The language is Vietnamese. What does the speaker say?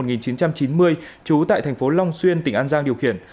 trú tại thành phố long xuyên tỉnh an giang điều khiển